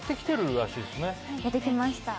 やってきました。